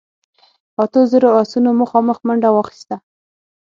اتو زرو آسونو مخامخ منډه واخيسته.